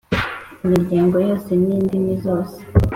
Imiryango yose n indimi zose